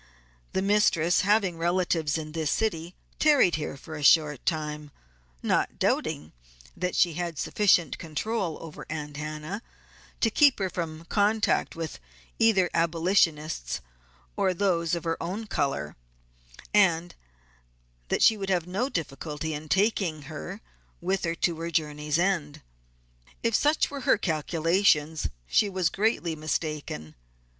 The mistress having relatives in this city tarried here a short time, not doubting that she had sufficient control over Aunt Hannah to keep her from contact with either abolitionists or those of her own color, and that she would have no difficulty in taking her with her to her journey's end. If such were her calculations she was greatly mistaken.